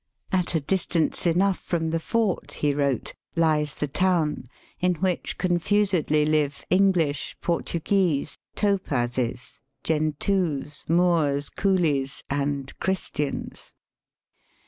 *^At a distance enough from the Fort," he wrote, ^* Hes the town, in which confusedly live English, Portuguese, Topazes, Gentoos, Moors, Coolies, and Christians."